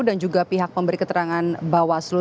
dan juga pihak memberi keterangan bawah seluruh